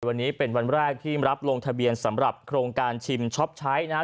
วันนี้เป็นวันแรกที่รับลงทะเบียนสำหรับโครงการชิมช็อปใช้นะครับ